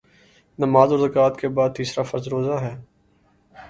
نماز اور زکوٰۃ کے بعدتیسرا فرض روزہ ہے